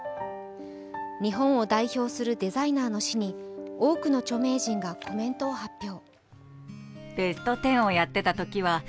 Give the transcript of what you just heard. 日本を代表するデザイナーの死に多くの著名人がコメントを発表。